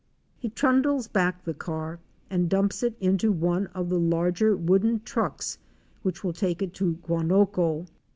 He trundles back the car and dumps it into one of the larger wooden trucks which will take it to Guanoco.